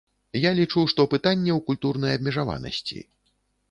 Я лічу, што пытанне ў культурнай абмежаванасці.